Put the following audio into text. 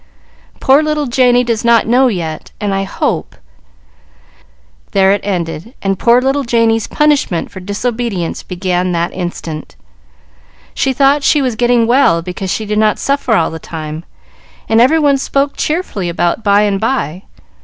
Poor little Janey does not know yet, and I hope" There it ended, and "poor little Janey's" punishment for disobedience began that instant. She thought she was getting well because she did not suffer all the time, and every one spoke cheerfully about "by and by."